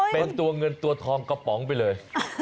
เป็นตัวเงินตัวทองกระป๋องไปเลย